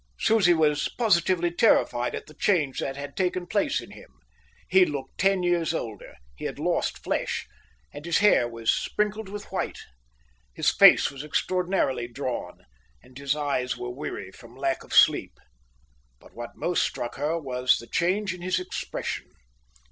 Susie was positively terrified at the change that had taken place in him. He looked ten years older; he had lost flesh, and his hair was sprinkled with white. His face was extraordinarily drawn, and his eyes were weary from lack of sleep. But what most struck her was the change in his expression.